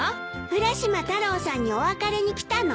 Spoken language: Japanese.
浦島太郎さんにお別れに来たの？